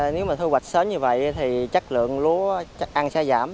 nếu mà thu hoạch sớm như vậy thì chất lượng lúa chắc ăn sẽ giảm